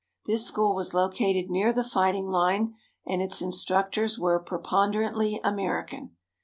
This school was located near the fighting line, and its instructors were preponderantly American.